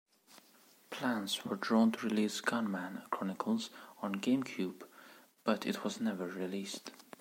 Plans were drawn to release Gunman Chronicles on GameCube, but it was never released.